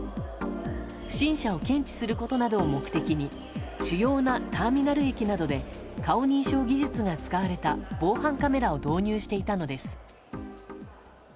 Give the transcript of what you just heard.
不審者を検知することなどを目的に主要なターミナル駅などで顔認証技術が使われた防犯カメラを導入していたのです。